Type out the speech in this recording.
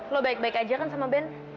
lu baik baik aja kan sama ben